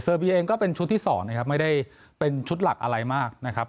บีเองก็เป็นชุดที่สองนะครับไม่ได้เป็นชุดหลักอะไรมากนะครับ